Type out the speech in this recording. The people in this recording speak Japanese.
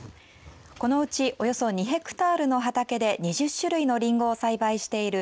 このうち、およそ２ヘクタールの畑で２０種類のりんごを栽培している